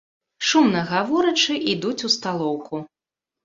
Шумна гаворачы, ідуць у сталоўку.